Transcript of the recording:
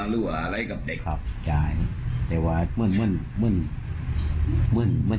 เพื่อรักษาครอบครั้งซนกัน